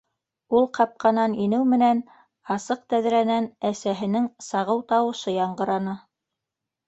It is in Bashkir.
Ул ҡапҡанан инеү менән, асыҡ тәҙрәнән әсәһенең сағыу тауышы яңғыраны.